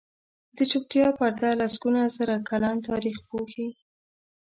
د چوپتیا پرده لسګونه زره کلن تاریخ پوښي.